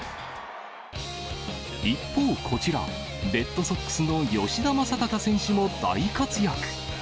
一方、こちら、レッドソックスの吉田正尚選手も大活躍。